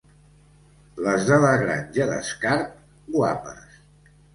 Les de la Granja d'Escarp, «guapes».